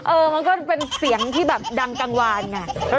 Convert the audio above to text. เออมันก็เป็นเสียงที่แบบดังกลางวานไง